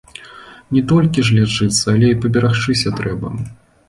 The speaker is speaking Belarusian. Не толькі ж лячыцца, але і паберагчыся трэба.